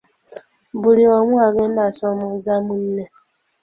Buli omu agenda asomooza munne.